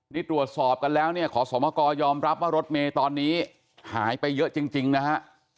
นี่ตรวจสอบกันแล้วเนี่ยขอสมกรยอมรับว่ารถเมย์ตอนนี้หายไปเยอะจริงนะฮะ